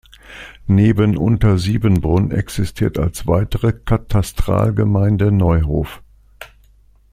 Neben Untersiebenbrunn existiert als weitere Katastralgemeinde Neuhof.